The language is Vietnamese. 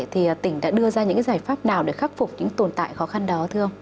thì tỉnh đã đưa ra những giải pháp nào để khắc phục những tồn tại khó khăn đó thưa ông